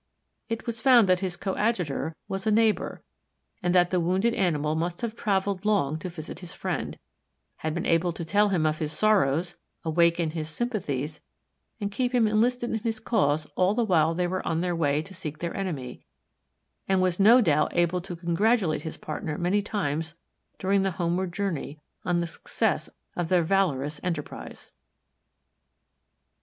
It was found that his coadjutor was a neighbor, and that the wounded animal must have traveled long to visit his friend, had been able to tell him of his sorrows, awaken his sympathies, and keep him enlisted in his cause all the while they were on their way to seek their enemy, and was no doubt able to congratulate his partner many times during the homeward journey on the success of their valorous enterprise.